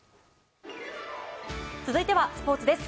続いてはスポーツです。